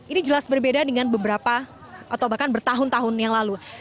ini jelas berbeda dengan beberapa atau bahkan bertahun tahun yang lalu